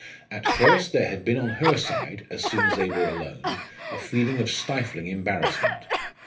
At first, there had been on her side as soon as they were alone a feeling of stifling embarrassment.